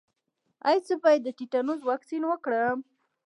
ایا زه باید د تیتانوس واکسین وکړم؟